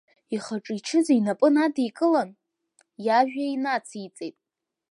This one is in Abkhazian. Ихаҿы ичыз инапы надикылан, иажәа инациҵеит…